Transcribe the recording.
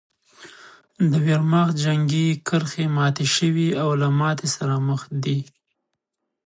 د ویرماخت جنګي کرښې ماتې شوې او له ماتې سره مخ دي